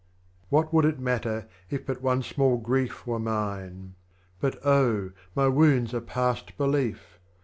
51. What would it matter if but one small Grief Were mine ? but Oh, my Wounds are past belief